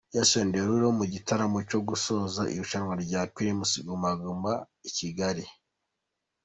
Jason Derulo mu gitaramo cyo gusoza irushanwa rya Primus Guma Guma i Kigali.